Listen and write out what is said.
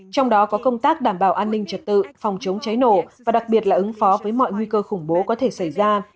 trong đó có công tác đảm bảo an ninh trật tự phòng chống cháy nổ và đặc biệt là ứng phó với mọi nguy cơ khủng bố có thể xảy ra